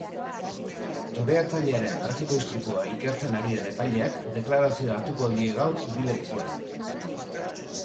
Toreatzailearen trafiko-istripua ikertzen ari den epaileak deklarazioa hartuko die gaur bi lekukori.